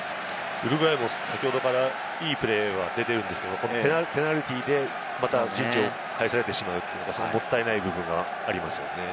ウルグアイも先ほどからいいプレーは出ているんですけれども、ペナルティーでまた陣地を返されてしまう、もったいない部分がありますね。